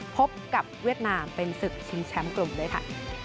พบกับเวียดนามเป็นศึกชิงแชมป์กลุ่มด้วยค่ะ